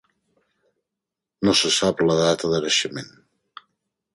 No se sap la data de naixement.